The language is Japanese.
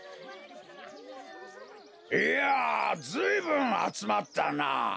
いやずいぶんあつまったなあ。